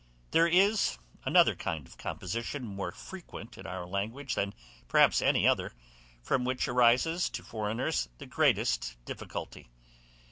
There is another kind of composition more frequent in our language than perhaps in any other, from which arises to foreigners the greatest difficulty.